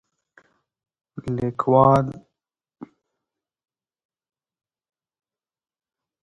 لیکوالی د ښوونځي، پوهنتون او ټولنې په پرمختګ کې مهم رول لري.